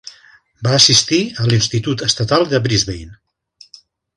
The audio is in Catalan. Va assistir a l'institut estatal de Brisbane.